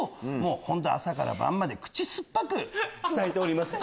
本当朝から晩まで口酸っぱく伝えております。